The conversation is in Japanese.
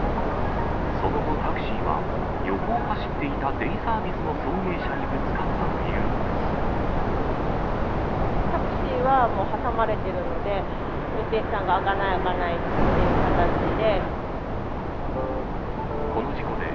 その後、タクシーは横を走っていたデイサービスの送迎車にぶつかったといタクシーは挟まれてるので、運転手さんが、開かない、開かないっていう形で。